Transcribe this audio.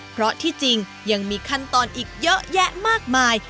เพราะที่จริงยังมีขั้นตอนอีกเยอะแยะมากมาย